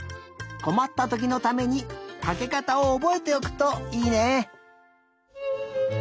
こまったときのためにかけかたをおぼえておくといいね。